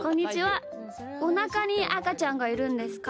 おなかにあかちゃんがいるんですか？